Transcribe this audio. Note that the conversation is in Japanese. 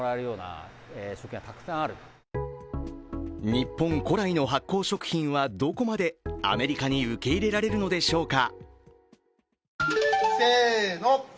日本古来の発酵食品はどこまでアメリカに受け入れられるのでしょうか。